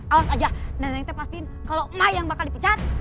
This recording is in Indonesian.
awas aja neneknya pastiin kalau emak yang bakal dipicat